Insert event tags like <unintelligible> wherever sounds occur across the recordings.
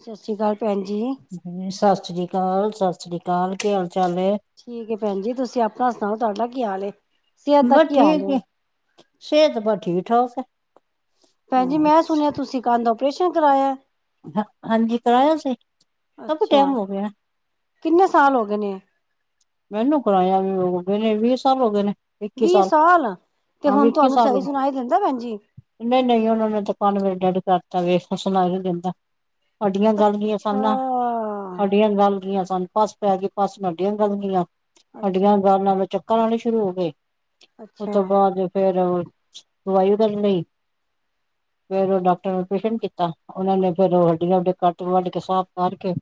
ਸਤਿ ਸ੍ਰੀ ਅਕਾਲ ਭੈਣ ਜੀ ਸਾਸਰੀ ਕਾਲ ਸ੍ਰੀ ਕਾਲ ਕੀ ਹਾਲ ਚਾਲ ਹੈ ਠੀਕ ਏ ਭੈਣ ਜੀ ਤੁਸੀਂ ਆਪਣਾ ਸੁਣਾਓ? ਤੁਹਾਡਾ ਕੀ ਹਾਲ ਏ ਸਿਹਤ ਦਾ ਬਸ ਕੀ ਹਾਲ ਠੀਕ ਹੈ ਏ? ਸਿਹਤ ਬਸ ਠੀਕ-ਠਾਕ ਐ। ਭੈਣਜੀ ਮੈਂ ਸੁਣਿਆ ਤੁਸੀਂ ਕੰਨ ਦਾ ਔਪਰੇਸ਼ਨ ਕਰਵਾਇਐ। ਹਾਂਜੀ ਕਰਾਇਆ ਸੀ ਕਾਫੀ ਅੱਛਾ ਟੈਮ ਹੋ ਗਿਆ। ਕਿੰਨੇ ਸਾਲ ਹੋ ਗਏ ਨੇ? ਮੈਨੂੰ ਕਰਾਇਆ ਵੀ ਹੋ ਗਏ ਨੇ ਵੀਹ ਸਾਲ ਹੋ ਗਏ ਨੇ। ਵੀਹ ਸਾਲ ਤੇ ਹਾਂ ਵੀ ਹੁਣ ਇੱਕੀ ਤੁਹਾਨੂੰ ਸਾਲ ਸਹੀ ਨੂੰ ਸੁਣਾਈ ਦਿੰਦਾ ਭੈਣ ਜੀ ਨਹੀਂ- ਨਹੀਂ ਉਹਨਾਂ ਨੂੰ ਤੇ ਪ <unintelligible> ਵੇਖ ਸੁਣਾਈ ਨਹੀਂ ਦਿੰਦਾ। ਸਾਡੀਆਂ ਗੱਲ ਦੀਆਂ ਸਾ ਅੱਛਾ ਨਾਂ ਸਾਡੀਆਂ ਗੱਲ ਦੀਆਂ ਸਾਨੂੰ ਪਸ ਪੈ ਗਈ ਪਸ ਨਡੀਆਂ ਗੱਲ ਗੀਆਂ ਅੱਛਾ ਅਡੀਆਂ ਗ ਨਾਲੇ ਚੱਕਰ ਆਉਣੇ ਸ਼ੁਰੂ ਹੋ ਗਏ। ਉਸ ਤੋਂ ਅੱਛਾ ਬਾਅਦ ਫਿਰ ਦਵਾਈ ਉਧਰ ਲਈ ਫੇਰ ਉਹ ਡਾਕਟਰ ਨੂੰ ਉਪ੍ਰੇਸ਼ਨ ਕੀਤਾ ਉਹਨਾ ਨੇ ਫੇਰ ਉਹ ਹਡੀਆ ਹੋਡੀਆ ਕੱਟ ਕੇ ਵੱਢ ਕੇ ਸਾਫ਼ ਕਰਕੇ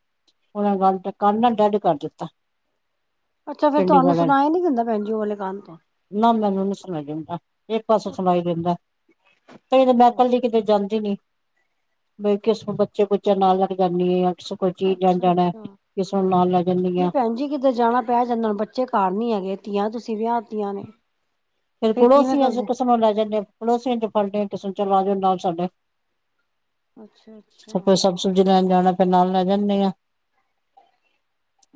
ਉਹ ਗੱਲ ਕਰ ਨਾਲ ਅੱਛਾ ਫੇਰ ਤੁਹਾਨੂੰ ਨਾ ਮੈਨੂੰ ਨੀ ਸੁਣਾਈ ਦਿੰਦਾ ਇੱਕ ਪਾਸੇ ਸੁਣਾਈ ਦੈਂਦਾ ਕਈ ਤਾਂ ਮੈਂ ਅੱਛਾ ਕੱਲੀ ਕਿਤੇ ਜਾਂਦੀ ਨੀ। ਬ ਕਿਸ ਬੱਚੇ ਬੁੱਚੇ ਨਾਲ ਲੜ ਜਾਂਦੇ ਕਿਸੇ ਕੋਈ ਚੀਜ਼ ਆਣ ਅੱਛਾ ਜਾਣਾ ਅੱਛਾ ਕਿਸੇ ਨੂੰ ਨਾਲ ਲੈ ਜਾਂਨੀ ਨਹੀਂ ਆਂ। ਭੈਣ ਜੀ ਕਿਤੇ ਜਾਣਾ ਪੈ ਜਾਂਦਾ ਬੱਚੇ ਘਰ ਨੀ ਹੈਗੇ ਤੀਆਂ ਤੁਸੀਂ ਵਿਆਹਤੀਆਂ ਨੂੰ। ਫਿਰ ਪੜੋਸੀਆਂ ਸੇ ਕਿਸੇ ਨੂੰ ਲੈ ਜਾਨੇ ਆ ਪੜੋਸੀਆਂ ਚ ਫਲਦੇ ਕਿਸੇ ਚਲੇ ਜਾਓ ਨਾਲ ਸਾਡੇ। ਅੱਛਾ ਅੱਛਾ ਫਿਰ ਸਭ ਸਬਜ਼ੀ ਲੈਣ ਜਾਣਾ ਫਿਰ ਨਾਲ ਲੈ ਜਾਂਦੇ ਆ।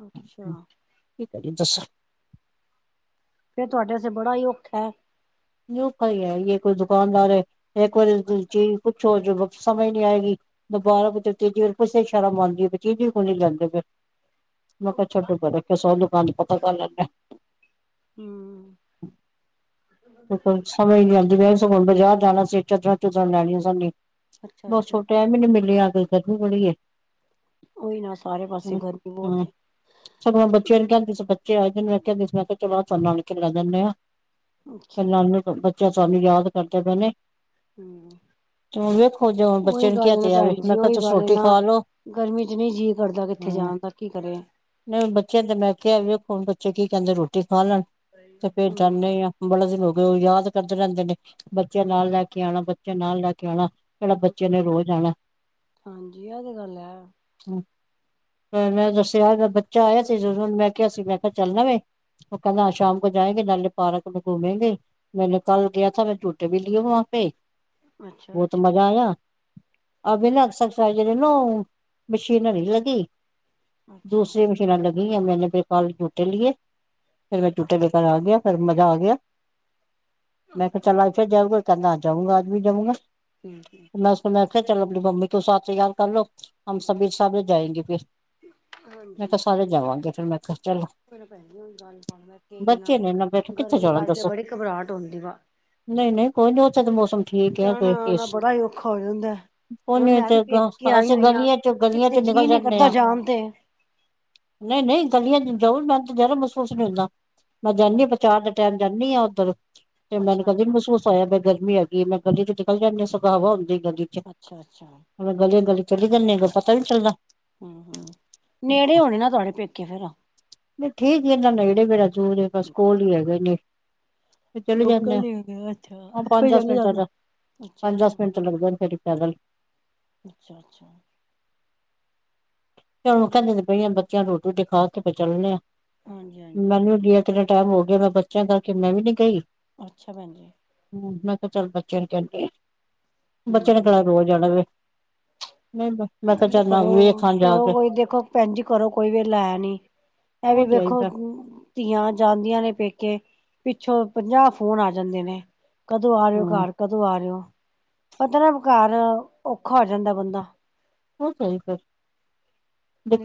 ਅੱਛਾ, ਚ ਦੱਸੋ, ਤੁਹਾਡੇ ਵਸਤੇ ਬੜਾ ਔਖਾ। ਯ ਭਾਈ ਹੈ ਕੋਈ ਦੁਕਾਨਦਾਰ ਹੈ ਇੱਕ ਵਾਰੀ ਚੀ ਸ ਸਮੇਝ ਨੀ ਆਏਗੀ ਦੁਬਾਰਾ ਵਜੇ ਤੇਜੀ ਰ ਕੁੇ ਸ਼ਰਮ ਆਦੀ ਹੈ ਤੀਜੀ ਕੋ ਨੀ ਜਾਂਦੇ ਫੇਰ, ਮੈਂ ਕਿਹਾ ਛੱਡੋਗਾ ਰੱਖਿਆ ਸੋ ਦੁਕਾਨ ਪਤਾ ਕਰ ਲੈਂਦਾ। ਹੂੰ, ਬਿਲਕੁਲ ਸਮਝ ਨੀ ਆਂਦੀ ਮੈਂ ਸਗੋਂ ਬਜ਼ਾਰ ਜਾਣਾ ਸੀ ਚਦਰਾਂ ਚਦਰੋ ਲੈਣੀਆਂ ਸੀ। ਬਹੁਤ ਅੱਛਾ-ਅੱਛਾ। ਛੋਟੇ ਆ ਮੈਨੂੰ ਮਿਲੀ ਆ। ਉਹੀ ਨਾ ਸਾਰੇ ਪਾਸੇ ਗਰਮੀ ਬਹੁਤ ਸਗੋਂ ਮੈਂ ਬੱਚਿਆਂ ਨੂੰ ਕਹਿੰਦੀ ਫ ਅੱਛਾ, ਨਾਨੂੰ ਬੱਚੇ ਸਾਨੂੰ ਯਾਦ ਕਰਦੇ ਪਏਣੇ ਹੂੰ ਵੇਖੋ ਬੱਚੇ ਉਹੀ ਨੂੰ ਕਿਹਾ ਗੱਲ ਨਾ ਤੇ ਆ ਮੈਂ ਭੈਣ ਜੀ ਕਿਹਾ ਉਹੀ ਤੁਸੀਂ ਗੱਲ ਹੈ ਰੋਟੀ ਨਾ ਖਾ ਲੋ। ਗਰਮੀ 'ਚ ਨਹੀਂ ਜੀਅ ਕਰਦਾ ਕਿੱਥੇ ਜਾਣ ਤਾਂ ਕੀ ਕਰੇ। ਨਹੀਂ ਬੱਚਿਆਂ ਤੇ ਮੈਂ ਕਿਹਾ ਵੇਖੋ। ਹੂੰ, <unintelligible> ਦਿਨ ਹੋ ਗਏ। ਕਿਹੜਾ ਬੱਚੇ ਨੇ ਰੋਜ਼ ਆਉਣਾ ਹਾਂਜੀ ਆਹ ਤੇ ਗੱਲ ਹੈ ਮੈਂ ਦੱਸਿਆ ਮੈਂ ਬੱਚਾ ਆਇਆ ਸੀ ਜਦੋਂ ਮੈਂ ਕਿਹਾ ਸੀ ਮੈਂ ਕਿਹਾ ਚੱਲਣਾਵੇ ਉਹ ਕਹਿੰਦਾ ਸ਼ਾਮ ਕੋ ਜਾਏ। ਨਾਲੇ ਪਾਰਕ ਨੂੰ ਘੁੰਮੇ ਗੇ ਮੈਨੂੰ ਕੱਲ ਗਿਆ ਤਾਂ ਮੈਂ ਝੂੱਟੇ ਵੀ ਲਿਓ ਵਾਂ ਪੇ। ਬੋਤ ਅੱਛਾ-ਅੱਛਾ, ਮਜ਼ਾ ਆਇਆ। ਅਭ ਅੱਛਾ। ਦੂਸਰੀ ਮਸ਼ੀਨਾ ਅੱਲਗ ਮੈਂ ਫੇ ਕਾਲ ਜੂਟੇ ਲਏ ਫਿਰ ਮੈਂ ਜੂਟੇ ਬੇਕਰ ਆ ਗਿਆ ਫ਼ਿਰ ਮਜ਼ਾ ਆ ਗਿਆ। ਮੈਂ ਕਿਹਾ ਅੱਛਾ। ਚੱਲ ਅੱਜ ਫਿਰ ਜਾਊਗਾ ਕਹਿੰਦਾ ਜਾਊਂਗਾ ਅੱਜ ਵੀ ਜਾਊਂਗਾ। ਠੀਕ ਚਲੋ ਆਪਣੀ ਮੰਮੀ ਕੋ ਸਾਥ ਤਿਆਾਰ ਕਰਲੋ ਹਮ ਸਭ ਸਾਥ ਜਾਏਂਗੇ ਫਿਰ ਮੈਂ ਕਿਹਾ ਸਾਰੇ ਜਾਵਾਂਗੇ ਫੇਰ ਮੈਂ ਕਿਹਾ। ਚਲ ਪੈ ਹੋਈ ਗੱਲ ਪਾਦਾਥ ਬੱਚੇ ਨੇ ਨਾ ਬੈਠੇ <inaudible> ਕਿੱਥੇ ਗਰਮੀ ਜਾਣਾ ਕਰਕੇ ਦੱਸੋ ਬੜੀ ਘਬਰਾਹਟ ਆਉਂਦੀ ਵਾ। ਨਹੀਂ -ਨਹੀਂ ਕੋਈ ਨੀ ਉਥੇ ਤਾਂ ਮੌਸਮ ਠੀਕ ਹੈ ਕੋ ਜਾਣਾ ਆਣਾ ਬੜਾ ਹੀ ਔਖਾ ਹੋ ਜਾਂਦਾ। <unintelligible> ਉਹ ਹੁਣ ਨੀ ਮੈਂ ਵੀ ਉਥੇ ਪੇਕੇ ਆਈ ਅਸੀਂ ਹੋਈ ਹਾਂ, ਗਲੀਆਂ ਚੋਂ ਗਲੀਆਂ ਕਿੱਥੇ ਚੋਂ ਨਿਕਲ ਜੀਅ ਨੀ ਜਾਂਦੇ ਕਰਦਾ ਆਂ। ਜਾਣ ਤੇ। ਨਹੀਂ -ਨਹੀਂ ਦ ਜਾ ਮੈਨ ਜ਼ਰਾ ਮਹਿਸੂਸ ਨਹੀਂ ਹੁੰਦਾ ਮੈਂ ਜਾਂਦੀ ਹੂੰ, ਬਜਾਰ ਦੇ ਟਾਈਮ ਜਾਂਦੀ ਹਾਂ ਉੱਧਰ ਜਮੁਨਾ ਨਗਰ ਗਲੀ 'ਚ ਅੱਛਾ-ਅੱਛਾ, ਅੱਛਾ-ਅੱਛਾ, ਗਲੀ -ਗਲੀ ਚਲੀ ਜਾਂਦੇੇ ਪਤਾ ਨੀ ਚੱਲਦਾ। ਹਮ ਹਮ ਨੇੜੇ ਹੋਣੇ ਨਾ ਤੁਹਾਡੇ ਪੇਕੇ ਹੈ ਨਾ। ਨਹੀਂ ਠੀ ਜ ਇਹਦਾ ਨੇੜੇ ਮੇੜਾ ਦੂਰ ਬਸ ਕੋਲ ਹੀ ਹੈਗੇ ਨੇ <inaudible> ਤੇ ਚਲੇ ਜਾਂਦੇ ਲੋਕਲ ਨੀ ਹੈਗੇ ਅੱਛਾ, ਆ ਪੰਜ ਆਪੇ ਦਸ ਚਲੇ ਮਿੰਟਾਂ ਜਾਂਦਾ। ਦਾ। ਪੰਜ ਦਸ ਮਿੰਟਤਾਂ ਲੱਗਦੇ ਨੇ ਪੈਦਲ। ਅੱਛਾ ਅੱਛਾ ਤੇ ਅਹੋ ਕਹਿੰਦੇ ਪਈਆਂ ਬੱਚਿਆਂ ਰੋਟੀ ਰੂਟੀ ਖਾ ਕੇ ਚੱਲਨੇ ਆ ਹਾਂਜੀ-ਹਾਂਜੀ। ਮੈਨੂੰ ਕੇ। ਟਾਈਮ ਹੋ ਗਿਆ ਮੈਂ ਬੱਚਿਆਂ ਕਰ ਕੇ ਮੈਂ ਵੀ ਨੀ ਗਈ। ਅੱਛਾ ਭੈਣ ਜੀ। ਹੂੰ ਮੈਂ ਕਿਹਾ ਚੱਲ ਬੱਚਿਆਂ ਨੂੰ ਕਹਿੰਦੀ ਆ ਬੱਚਿਆਂ ਨੇ ਕਿਹੜਾ ਹੂੰ-ਹੂੰ। ਰੋਜ ਆਣਾ ਵੇ। ਨਹੀਂ ਮੈਂ ਇਹ ਕਿਹਾ ਵੀ ਨਾ ਚੱਲ ਕਰੋ। ਵੇਖ ਆ ਜਾ ਕੇ ਇਹ ਵੀ ਉਹ ਤੇ ਹੈ ਹੀ ਵੇਖੋ ਫੇਰ ਧੀਆਂ ਜਾਂਦੀਆਂ ਨੇ ਪੇਕ ਕੇ ਪਿੱਛੋਂ ਪੰਜਾਹ ਫੋਨ ਆ ਜਾਂਦੇ ਨੇ ਕਦੋਂ ਆ ਰਿਓ ਹੂੰ ਘਰ ਕਦੋਂ ਆ ਰਿਓ। ਪਤਾ ਨਾ ਘਾਰ ਔਖਾ ਹੋ ਜਾਂਦਾ ਬੰਦਾ ਹੋ ਸਹੀ ਫਿਰ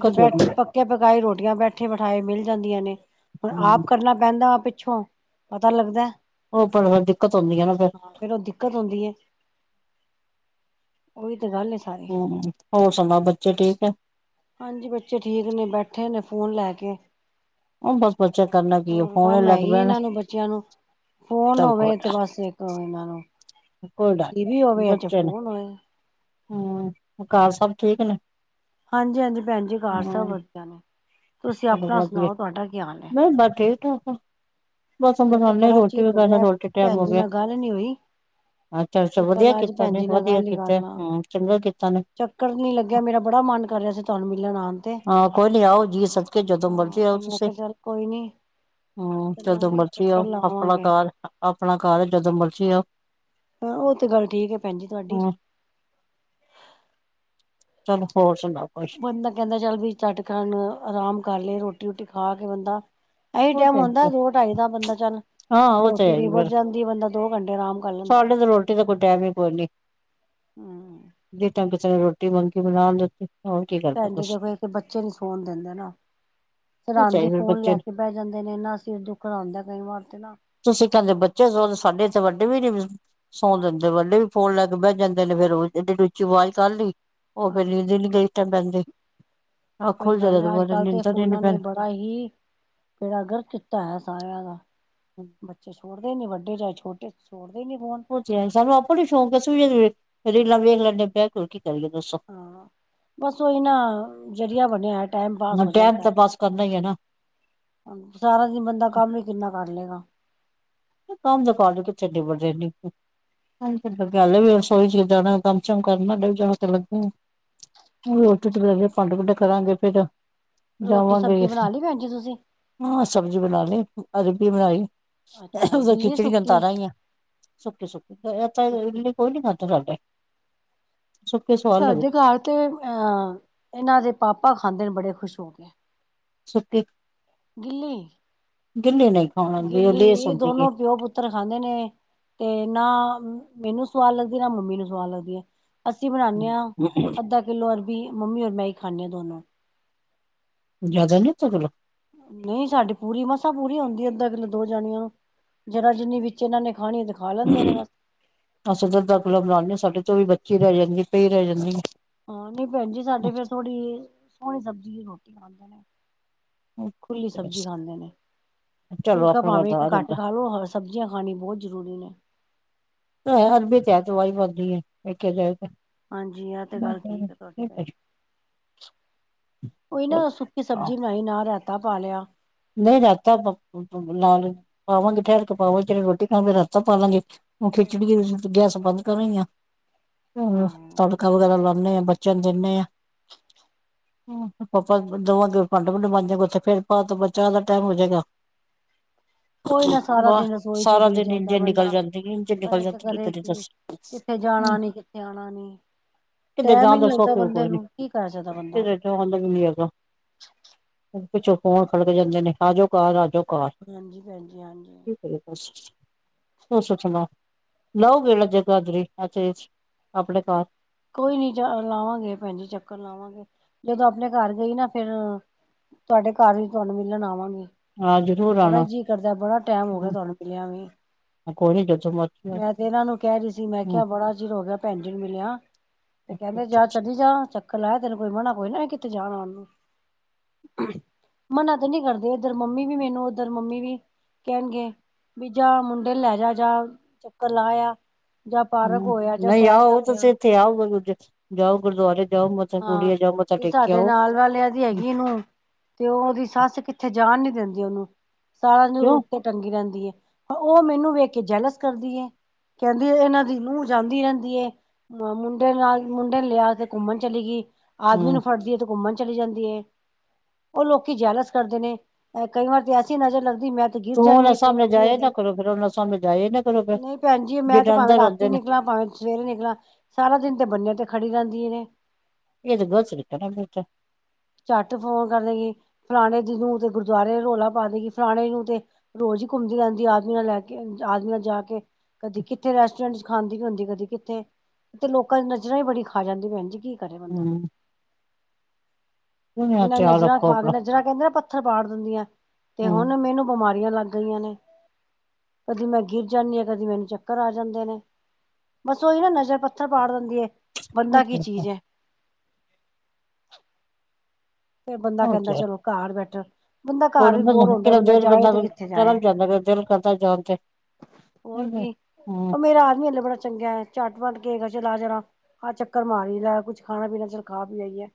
ਦੁਪਹਿਰ ਪੱਕੇ ਪਕਾਈ ਰੋਟੀਆਂ ਬੈਠੇ ਬਿਠਾਏ ਮਿਲ ਜਾਂਦੀਆਂ ਨੇ। ਹੁਣ ਹੂੰ ਆਪ ਕਰਨਾ ਪੈਂਦਾ ਵਾ ਪਿੱਛੋਂ ਪਤਾ ਲੱਗਦਾ। ਉਹ ਪਰ ਫੇਰ ਦਿੱਕਤ ਹੁੰਦੀ ਆ ਨਾ ਫੇਰ ਹਾਂ ਫਿਰ ਉਹ ਦਿੱਕਤ ਹੁੰਦੀ ਏ। ਓਹੀ ਤੇ ਗੱਲ ਸਾਰੀ ਹੂੰ ਹੋਰ ਸੁਣਾਉ ਬੱਚੇ ਠੀਕ ਏ। ਹਾਂਜੀ ਬੱਚੇ ਠੀਕ ਨੇ ਬੈਠੇ ਨੇ ਫੋਨ ਲੈ ਕੇ ਉਹ ਬਸ ਬੱਚੇ ਕਰਨਾ ਕੀ ਐ ਹੋਰ ਫੋਨ ਕੰਮ ਹੈ ਲੱਗ ਹੀ ਪੈਣਾ ਇਹਨਾਂ ਨੂੰ ਬੱਚਿਆਂ ਨੂੰ ਫੋਨ ਸਭ ਹੋਵੇ ਕੁਛ ਇਥੇ ਬਸ ਇੱਕ ਹੋ ਇਹਨਾਂ ਨੂੰ ਕੋਈ ਡਰ ਟੀ ਵੀ ਹੋਵੇ ਜ ਫੋਨ ਹੋਵੇ। ਹਮ ਘਰ ਸਭ ਠੀਕ ਨੇ? ਹਾਂਜੀ ਹਾਂਜੀ ਭੈਣ ਜੀ ਹਾਲ ਸਭ ਹੂੰ ਵਧੀਆ ਨੇ ਤੁਸੀਂ ਚਲੋ ਆਪਣਾ ਵਧੀਆ ਸੁਣਾਓ ਤੁਹਾਡਾ ਕਿਆ ਹਾਲ ਹੈ? ਨਹੀਂ ਬਸ ਠੀਕ ਠਾਕ ਆ ਬਸ ਮੈਂ ਕਿਹਾ ਬਣਾਨੇ ਬੜਾ ਰੋਟੀ ਚਿਰ ਵੀ ਹੋ ਕਰ ਗਿਆ ਰੋਟੀ ਟਾਈਮ ਭੈਣ ਹੋ ਜੀ ਗਿਆ। ਨਾਲ ਗੱਲ ਨੀ ਹੋਈ। ਅੱਛਾ ਅੱਛਾ ਵਧੀਆ ਚੱਲ ਅੱਜ ਕੀਤਾ ਭੈਣ ਨੇ ਜੀ ਨਾਲ ਵਧੀਆ ਗੱਲ ਹੀ ਕਰ ਕੀਤਾ ਲਾਂ। ਹਮ ਚੰਗਾ ਕੀਤਾ ਨੇ। ਚੱਕਰ ਨੀ ਲੱਗਿਆ ਮੇਰਾ ਬੜਾ ਮਨ ਕਰ ਰਿਹਾ ਸੀ ਤੁਹਾਨੂੰ ਮਿਲਣ ਆਉਣ ਤੇ। ਹਾਂ ਕੋਈ ਨੀ ਆਓ ਜੀ ਸਦਕੇ ਜਦੋਂ ਨੂੰ ਮੈਂ ਕਿਹਾ ਚੱਲ ਕੋਈ ਨੀ। ਹਾਂ ਚ ਚੱਲਾਂਗੇ ਚੱਕਰ ਆਪਣਾ ਲਾਵਾਂਗੇ ਘਰ ਆਪਣਾ ਘਰ ਜਦੋਂ ਮਰਜੀ ਆਉ। ਹਾਂ ਉਹ ਤੇ ਗੱਲ ਠੀਕ ਹੈ ਭੈਣ ਜੀ ਤੁਹਾਡੀ। ਹੂੰ ਚਲੋ ਹੋਰ ਸੁਣਾਓ ਕੁਛ ਬੰਦਾ ਕਹਿੰਦਾ ਚੱਲ ਵੀ ਝੱਟ ਕਰਨ ਆਰਾਮ ਕਰ ਲਏ ਰੋਟੀ ਰੂਟੀ ਖਾ ਕੇ ਬੰਦਾ। ਇਹੀ ਉਹ ਟਾਈਮ ਤੇ ਹੁੰਦਾ ਹੈ ਦੋ ਢਾਈ ਦਾ ਬੰਦਾ ਚੱਲ ਹਾਂ ਉਹ ਤੇ ਰੋਟੀ ਹੈ ਹੀ ਨਿਬੜ ਫੇਰ ਜਾਂਦੀ ਬੰਦਾ ਦੋ ਘੰਟੇ। ਆਰਾਮ ਕਰ ਲੈਂਦਾ ਸਾਡੇ ਤੇ ਰੋਟੀ ਦਾ ਕੋਈ ਟਾਈਮ ਹੀ ਕੋਈ ਨੀ ਹਮ ਜੇ ਤੰਗ ਰੋਟੀ ਮੰਗੀ ਬਣਾ ਦਿੱਤੀ। ਹੋਰ ਕੀ ਕਰਨਾ ਭੈਣ ਜੀ ਬਸ ਦੇ <inaudible> ਬੱਚੇ ਨੀ ਸੋਣ ਦਿੰਦੇ ਨਾ। ਉਹ ਸਰਾਂਦੀ ਚਾਹੀਦਾ ਫੋਨ ਬੱਚੇ ਲੈ ਕੇ ਬਹਿ ਜਾਂਦੇ ਨੇ ਨਾ ਸਿਰ ਦੁੱਖ ਦਾ ਕਈ ਵਾਰ ਤੇ ਨਾ। ਤੁਸੀਂ ਕਹਿੰਦੇ ਬੱਚੇ ਸੌਣ ਸਾਡੇ ਇੱਥੇ ਵੱਡੇ ਵੀ ਨੀ ਸੌਣ ਦਿੰਦੇ ਵੱਡੇ ਵੀ ਫੋਨ ਲੈ ਕੇ ਬਹਿ ਜਾਂਦੇ ਨੇ ਫਿਰ। ੋਜ਼ <inaudible> ਰੁਚੀ ਆਵਾਜ਼ ਕਰ ਲਈ ਉਹ ਫਿਰ ਹਾਂਜੀ ਲੀਦੀ ਨੀ ਗਈ ਇਸ ਟਾਈਮ ਪੈਂਦੀ ਅੱਖ ਕੋਈ ਖੁੱਲ ਗੱਲ ਜਾਵੇ ਤੇ ਨਹੀਂ ਅੱਜ ਬਾਅਦ ਚੋਂ ਕੱਲ੍ਹ ਨੀਂਦ ਦੇ ਤਾਂ ਨੀ ਫੋਨਾ ਨੇ ਪੈਣੀ ਬੜਾ ਹੀ। ਬੇੜਾ ਗਰਕ ਕੀਤਾ ਹੈ ਸਾਰਿਆਂ ਦਾ ਬੱਚੇ ਛੋੜਦੇ ਨੀ ਵੱਡੇ ਚਾਹੇ ਛੋਟੇ ਛੋੜ। ਉਹ ਜੈਨ ਸਾਬ ਸਾਨੂੰ ਆਪੋ ਨੀ ਸ਼ੌਂਕ ਸੀ ਰੇਲਾਂ ਵੇਲ ਨੇ ਬਹਿ। ਕਰੀਏ ਦੱਸੋ ਹਾਂ, ਬਸ ਉਹੀ ਨਾ ਹੁਣ ਟਾਈਮ । ਤਾਂ ਪਾਸ ਕਰਨਾ ਹੀ ਹੈ ਨਾ ਸਾਰਾ ਦਿਨ ਬੰਦਾ ਕੰਮ ਹੀ ਕਿੰਨਾ ਕਰ ਲਏਗਾ। ਕੰਮ ਦਖਾ ਲ ਕੇ ਚੰਡੇ ਬੜ ਰਹੇ <inaudible> ਹਾਂਜੀ ਰਸੋਈ ਚ ਜਾਣਾ ਕੰਮ ਸ਼ਮ ਕਰਨੇ ਵੀ ਜਾ ਤੇ ਲੱਗ। ਰੋਟੀ ਤੇ ਲੈ ਭੰਡ ਭੁੰਡੇ ਕਰਾਂਗੇ ਫੇਰ। ਰੋਟੀ ਜਾਵਾਂਗੇ ਸਬਜ਼ੀ ਬਣਾ ਲਈ ਭੈਣ ਜੀ ਤੁਸੀਂ ਹਾਂ ਸਬਜ਼ੀ ਬਣਾ ਲਈ ਅਰਬੀ ਬਣਾਈ। ਅੱਛਾ ਉਹ ਗਿੱਲੀ ਖਿਚਣੀਆਂ ਸੁੱਕੀ ਤਾਰਾਂ ਹੀ ਆ ਸੁੱਕੇ- ਸੁੱਕੇ ਇ ਸੁੱਕੀ ਇਲਤ ਕੋਈ ਨੀ ਖੜਦਾ ਸਾਡੇ। ਸੁੱਕੇ ਸਵਾਦ ਸਾਡੇ ਲੱਗਦੀ ਘਰ ਤੇ ਅਹ ਇਹਨਾਂ ਦੇ ਪਾਪਾ ਖਾਂਦੇ ਨੇ ਬੜੇ ਖੁਸ਼ ਹੋ ਕੇ। ਸੁਤੀ ਗਿੱਲੀ ਦਿੱਲੀ ਨਹੀਂ ਖਾਣਾ ਵੀ ਉਹ ਗਿੱਲੀ ਲੇਸ ਇਹ ਹੁੰਦੀ ਏ ਦੋਨੋ ਪਿਓ ਪੁੱਤਰ ਖਾਂਦੇ ਨੇ ਤੇ ਨਾ ਮੈਨੂੰ ਸਵਾਦ ਲੱਗਦੀ ਨਾ ਮੰਮੀ ਨੂੰ ਸਵਾਦ ਲੱਗਦੀ ਹੈ, ਅਸੀਂ ਬਣਾਣੇ ਆਂ ਅੱਧਾ ਕਿੱਲੋ ਅਰ ਬੀ ਮੰਮੀ ਔਰ ਮੈਂ ਹੀ ਖਾਂਦੇ ਹਾਂ ਦੋਨੋ। ਜਿਆਦਾ ਨੀ ਤੇ ਗਲੋ। ਨਹੀਂ ਸਾਡੀ ਪੂਰੀ ਮਸਾਂ ਪੂਰੀ ਆਉਂਦੀ ਅੱਧਾ ਕਿੱਲ ਦੋ ਜਾਣੀਆਂ ਨੂੰ ਜਿਰਾ ਜਿੰਨੀ ਵਿੱਚ ਇਹਨਾਂ ਨੇ। ਖਾਣੀ ਤੇ ਖਾ ਲੈਂਦੇ ਨੇ ਬਸ ਅਸੀ ਅੱਧਾ ਕਿਲੋ ਬਣਾਦੇ ਹਾਂ ਸਾਡੇ ਤੋਂ ਵੀ ਬੱਚੀ ਰਹਿ ਜਾਂਦੀ ਪਈ ਰਹਿ ਜਾਂਦੀ ਹੈ। ਹਾਂ ਨ ਭੈਣ ਜੀ ਸਾਡੇ ਫਿਰ ਥੋੜੀ ਸੋਹਣੀ ਸਬਜ਼ੀ ਦੀ ਰੋਟੀ ਖਾਂਦੇ ਨੇ। ਖੁੱਲੀ ਸਬਜ਼ੀ ਖਾਂਦੇ ਨੇ। ਚਲੋ ਫੁਲਕਾ ਆਪਣਾ ਭਾਵੇਂ ਇੱਕ ਵਰਦਾਰ ਘੱਟ ਹੁੰਦਾ ਖਾ ਲੋ ਸਬਜ਼ੀਆਂ ਖਾਣੀ ਬਹੁਤ ਜ਼ਰੂਰੀ ਨੇ। ਅਰਬੀ ਤੇ ਹੈ ਦਵਾਈ ਬਣਦੀ ਹੈ ਦੇਖੀਆਂ ਜਾਏ ਤੇ। ਹਾਂਜੀ ਆਹ ਤੇ ਗੱਲ ਠੀਕ ਆ ਤੁਹਾਡੀ ਭੈਣ। ਉਹੀ ਨਾ ਸੁੱਕੀ ਸਬਜ਼ੀ ਬਣਾਈ ਨਾਲ ਰਾਇਤਾ । ਨਹੀਂ ਰਾਏਤਾ <inaudible> ਉਹ ਖਿੱਚੜੀ ਰਿੱਝ ਗੀ ਗੈਸ ਬੰਦ ਕਰ। ਹਾਂ ਨੇ ਬੱਚਿਆਂ ਨੂੰ ਦਿੰਨੇ ਹਾਂ। ਹੂੰ ਪਾਪਾ ਨੂੰ ਦਵਾਂਗੇ ਭਾਂਡੇ ਭੂੰਡੇ ਮਾਂਜਾ ਉੱਥੇ ਫੇਰ । ਜ਼ਿਆਦਾ ਟਾਈਮ ਹੋ ਜਾਏਗਾ। ਉਹੀ ਨਾ ਸਾਰਾ ਦਿਨ ਰਸੋਈ ਚ ਹੀ ਸਾਰਾ ਬੀਤ ਦਿਨ ਜਾਂਦਾ ਇੰਝੇ ਨਿਕਲ ਬੰਦਾ ਜਾਂਦੇ ਇੰਝ ਨਿਕਲ ਜਾਂਦੇ ਕੀ ਕਰੇ ਦੱਸ। ਆਣਾ ਨੀ ਕਿੱਥੇ ਆਣਾ ਨੀ। ਕਿਤੇ ਟੈਮ ਹੀ ਜਾਣ ਨੀ ਦਾ ਲੱਗਦਾ ਸੌਖ ਵੀ ਬੰਦੇ ਕੋਈ ਨੀ ਨੂੰ ਕੀ ਕਰ ਸਕਦਾ ਬੰਦਾ ਕਿਤੇ ਜਾਣ ਦਾ ਵੀ ਨੀ ਹੈਗਾ। ਹੂੰ। ਪਿੱਛੋਂ ਫੋਨ ਖੜਕ ਜਾਂਦੇ ਨੇ ਆ ਜਾਓ ਘਰ ਆ ਜਾਓ, ਘਰ ਹਾਂਜੀ ਭੈਣ ਜੀ ਹਾਂਜੀ ਕੀ ਕਰੇ ਬਸ। ਤੁਸੀਂ ਸੁਣਾਓ ਲਓਗੇ ਨਾ ਜਗਾਦਰੀ ਅੱਜ ਆਪਣੇ ਘਰ। ਕੋਈ ਨੀ ਚ ਲਾਵਾਂਗੇ ਭੈਣ ਜੀ ਚੱਕਰ ਲਾਵਾਂਗੇ ਜਦੋਂ ਆਪਣੇ ਘਰ ਗਈ ਨਾ ਫੇਰ ਤੁਹਾਡੇ ਘਰ ਵੀ ਤੁਹਾਨੂੰ ਮਿਲਣ ਆਵਾਂਗੇ। ਹਾਂ ਜ਼ਰੂਰ ਬੜਾ ਹੀ ਆਣਾ ਜੀਅ ਕਰਦਾ ਬੜਾ ਟਾਈਮ ਹੋ ਗਿਆ ਤੁਹਾਨੂੰ ਮਿਲਿਆ ਵੀ। ਪਕੌੜੇ ਜੱਗ ਮੈਂ ਤੇ ਇਹਨਾਂ ਨੂੰ ਕਹਿ ਰਹੀ ਸੀ ਮੈਂ ਕਿਹਾ ਬੜਾ ਚਿਰ ਹੋ ਗਿਆ ਭੈਣ ਜੀ ਨੂੰ ਮਿਲਿਆ। ਤੇ ਕਹਿੰਦੇ ਜਾ ਆਓ ਚਲੀ ਜਾ ਚੱਕਰ ਲਾ ਤੈਨੂੰ ਕੋਈ ਮਨਾ ਕੋਈ ਨਾ ਕੀਤਾ ਕਿਤੇ ਜਾਣ ਆਣ ਨੂੰ। ਹੂੰ ਮਨਾ ਤੇ ਨਹੀਂ ਕਰਦੇ ਏਧਰ ਮੰਮੀ ਵੀ ਮੈਨੂੰ ਉਧਰ ਮੰਮੀ ਵੀ ਕਹਿਣਗੇ ਵੀ ਜਾਂ ਮੁੰਡੇ ਨੂੰ ਲੈ ਜਾ ਜਾ ਚੱਕਰ ਲਾਇਆ ‌। ਹੂੰ ਨਹੀਂ ਆਓ ਆ ਤੁਸੀਂ ਇੱਥੇ ਆਓ ਜਾਓ ਗੁਰਦੁਆਰੇ ਜਾਓ ਮੱ ਹਾਂ ਤੇ ਸਾਡੇ ਨਾਲ ਵਾਲਿਆਂ ਦੀ ਹੈਗੀ ਨੂੰਹ ਤੇ ਉਹਦੀ ਸੱਸ ਕਿੱਥੇ ਜਾਣ ਜਾਣ ਨੀ ਦਿੰਦੀ ਉਹਨੂੰ ਸਾਰਾ ਕਿਉਂ ਉੱਤੇ ਟੰਗੀ ਰਹਿੰਦੀ ਏ। ਉਹ ਮੈਨੂੰ ਵੇਖ ਕੇ ਜਾਲਸ ਕਰਦੀ ਐ। ਕਹਿੰਦੀ ਇਹਨਾਂ ਦੀ ਨੂੰਹ ਜਾਂਦੀ ਰਹਿੰਦੀ ਏ ਮੁੰਡੇ ਨਾਲ ਮੁੰਡੇ ਲਿਆ ਕੇ ਘੁੰਮਣ। ਚਲੀ ਗਈ ਆਦਮੀ ਹਮ ਨੂੰ ਫੜਦੀ ਹੈ ਤੇ ਘੁੰਮਣ ਚਲੀ ਜਾਂਦੀ ਐ ਉਹ ਲੋਕੀ ਜੈਲਸ ਕਰਦੇ ਨੇ ਕਈ ਵਾਰ ਤੇ ਐਸੀ ਨਜ਼ਰ ਲੱਗਦੀ ਕਿ ਮੈਂ ਤੇ ਗਿਰ ਤੂੰ ਜਾਂਦੀ ਉਹਨਾਂ ਹਾਂ ਇੱਕ ਨਾਂ ਸਾਹਮਣੇ ਅੱਧੀ ਜਾਇਆ ਨਾ ਵਾਰੀ ਕਰੋ ਫਿਰ ਉਹਨਾਂ ਸਾਹਮਣੇ ਜਾਇਆ ਨਾ ਕਰੋ ਫਿਰ ਨਹੀਂ ਭੈਣ ਜੀ ਮੈਂ ਤੇ ਜਿਹੜਾ ਭਾਵੇਂ ਅੰਦਰ ਰਾਤੀ ਹੁੰਦੇ ਨੀ ਨੇ ਨਿਕਲ ਜਾ ਭਾਵੇਂ ਸਵੇਰੇ ਨਿਕਲਾਂ ਸਾਰਾ ਦਿਨ ਤੇ ਬੰਨਿਆਂ ਤੇ ਖੜੀ ਰਹਿੰਦੀਆਂ ਨੇ। ਇਹ ਗੋਚਰੀ ਤਾਂ ਪਤਾ ਨਹੀਂ ਕਿਆ। ਝੱਟ ਫੋਨ ਕਰ ਦੇਗੀ ਫਲਾਣੇ ਦੀ ਨੂੰ ਤੇ ਗੁਰਦੁਆਰੇ ਰੌਲਾ ਪਾ ਦੇਗੀ ਫਲਾਣੇ ਨੂੰ ਤੇ ਰੋਜ਼ ਘੁੰਮਦੀ ਰਹਿੰਦੀ ਐ ਆਦਮੀਆਂ ਨੂੰ ਲੈ ਕੇ ਆਦਮੀਆਂ ਨਾਲ ਜਾ ਕੇ। ਕਦੀ ਕਿੱਥੇ ਰੈਸਟੋਰੈਂਟ ਚ ਖਾਂਦੀ ਹੁੰਦੀ ਹੈ ਕਦੀ ਕਿਤੇ ਤੇ ਲੋਕਾਂ ਦੀ ਨਜ਼ਰਾਂ ਬੜੀ ਖਾ ਜਾਂਦੀ ਭੈਣ ਜੀ। ਕਰੇ ਬੰਦਾ ਹਮ ਤੁਸੀਂ ਇਹਨਾਂ ਧਿਆਨ ਨਜ਼ਰਾਂ ਰੱਖੋ ਖਾ ਕੇ ਆਪਣਾ ਨਜ਼ਰਾਂ ਕਹਿੰਦੇ ਇਹ ਤਾਂ ਪੱਥਰ ਪਾੜ ਦਿੰਦੀਆਂ ਤੇ ਹਮ ਹੁਣ ਮੈਨੂੰ ਬਿਮਾਰੀਆਂ ਲੱਗ ਗਈਆਂ ਨੇ। ਕਦੀ ਮੈਂ ਗਿਰ ਜਾਂਦੀ ਹਾਂ, ਕਦੀ ਮੈਨੂੰ ਚੱਕਰ ਆ ਜਾਂਦੇ ਨੇ। ਬਸ ਉਹੀ ਨਾ ਨਜ਼ਰ ਪੱਥਰ ਪਾੜ ਦਿੰਦੀ ਹੈ, ਬੰਦਾ ਕੀ ਚੀਜ਼ ਐ? ਫਿਰ ਬੰਦਾ ਕਹਿੰਦਾ ਚਲੋ, ਘਰ ਬੈਠਾ। ਬੰਦਾ ਘਰ ਵੀ ਬੋਰ ਹੁੰਦਾ ਕਿਹੜਾ ਰਹਿੰਦਾ ਹੈ, ਬੰਦਾ ਦਿਲ ਜਾਏ ਤੇ ਕਿੱਥੇ ਚਲਾ ਜਾਏ? ਜਾਂਦਾ ਫਿਰ ਦਿਲ ਕਰਦਾ ਜਾਣ ਤੇ ਹੋਰ ਕੀ, ਹਮ ਉਹ ਮੇਰਾ ਆਦਮੀ ਹਲੇ ਬੜਾ ਚੰਗਾ ਚੱਟ-ਪੱਟ ਕੇ। ਚਲ ਆ ਜ਼ਰਾ ਆਹ ਚੱਕਰ ਮਾਰੀ ਦਾ ਕੁੱਛ ਖਾਣਾ-ਪੀਣਾ ਚੱਲ ਖਾ ਪੀ ਆਈਏ?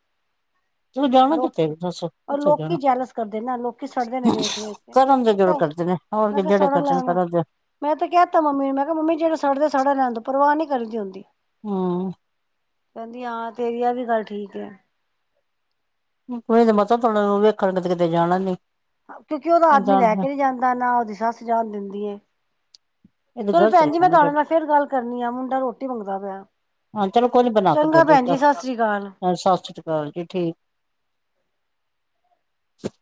ਤੂੰ ਜਾਣਾ ਲੋਕ ਕਿੱਥੇ ਦੱਸ ਅਹ ਕਿੱਥੇ ਲੋਕੀ ਜਾਣਾ ਜੇਲਸ ਕਰਦੇ ਨਾ ਲੋਕੀ ਸੜਦੇ ਨੇ ਵੇਖ-ਵੇਖ ਕੇ ਇਹ ਤੇ। ਜਿਵੇਂ ਹੋਰ ਕਿ ਜਿਹੜੇ ਦਰਸ਼ਨ ਕਰ ਆਦੇ ਐ। ਮੈਂ ਤਾਂ ਕਹਿ ਦਿੱਤਾ ਮੰਮੀ ਨੂੰ ਮੈਂ ਕਿਹਾ ਮੰਮੀ ਜਿਹੜੇ ਸੜਦੇ ਸੜੇ ਰਹਿਣ ਦਿਓ ਪਰਵਾਹ ਨਹੀਂ ਕਰੀਦੀ ਹੁੰਦੀ। ਹੂੰ, ਕਹਿੰਦੀ ਹਾਂ ਤੇਰੀ ਐ ਵੀ ਗੱਲ ਠੀਕ ਹੈ। ਹੂੰ ਕੋਈ ਨਹੀਂ ਮਾਤਾ ਥੋਨੂੰ ਨੂੰਹ ਦੇਖਣ ਤੇ ਕਿਤੇ ਜਾਣਾ ਨੀ। ਕਿਉਂਕਿ ਉਹਦਾ ਇਹ ਆਦਮੀ ਤਾਂ ਲੈ ਕੇ ਨਹੀਂ ਜਾਂਦਾ, ਨਾ ਉਹਦੀ ਸੱਸ ਜਾਣ ਦਿੰਦੀ ਹੈ। ਚਲੋ ਗ਼ਲਤ ਭੈਣ ਜੀ ਹੈ ਮੈਂ ਨਾ ਫਿਰ ਤੁਹਾਡੇ ਨਾਲ ਫੇਰ ਗੱਲ ਕਰਨੀ ਆ ਮੁੰਡਾ ਰੋਟੀ ਮੰਗਦਾ ਪਿਆ। ਹਾਂ ਚਲੋ ਕੋਈ ਨੀ ਬਣਾ ਕੇ ਦੇ ਚੰਗਾ ਦਿਉ ਭੈਣ ਜਾ ਜੀ ਸਤਿ ਸ੍ਰੀ ਅਕਾਲ। ਸਸ ਰੀ ਕਾਲ ਜੀ ਠੀਕ। <unintelligible>